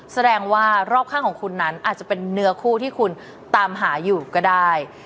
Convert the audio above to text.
แสดงว่ารอบข้างของคุณนั้นอาจจะเป็นเนื้อคู่ที่คุณตามหาอยู่ก็ได้